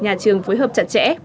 nhà trường phối hợp chặt chẽ